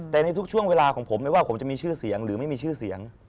แต่ในทุกช่วงเวลาของผมไม่ว่าผมจะมีชื่อเสียงหรือไม่มีชื่อเสียง